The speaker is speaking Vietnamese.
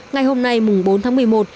ngày hôm nay mùng bốn tháng một mươi một